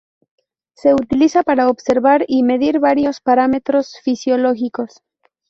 Se utiliza para observar y medir varios parámetros fisiológicos.